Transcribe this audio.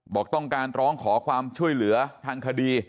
บอกต้องการร้องขอความช่วยเหลือทางคดี